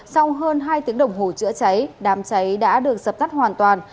sau hơn hai tiếng đồng hồ chữa cháy đám cháy đã được sập tắt hoàn toàn